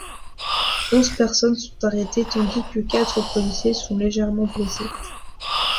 Onze personnes sont arrêtées tandis que quatre policiers sont légèrement blessés.